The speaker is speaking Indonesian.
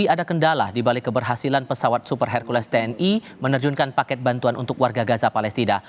ada kendala dibalik keberhasilan pesawat super hercules tni menerjunkan paket bantuan untuk warga gaza palestina